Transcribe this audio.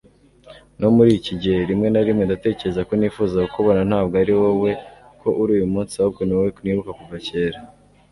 No muri iki gihe rimwe na rimwe ndatekereza ko nifuza kukubona Ntabwo ariwowe ko uri uyumunsi ahubwo niwowe nibuka kuva kera